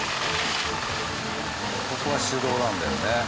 ここは手動なんだよね。